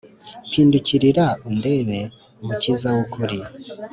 Mpindukirira indebe mukiza w’ukuri